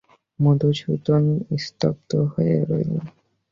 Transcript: মধুসূদন স্তব্ধ হয়ে রইল।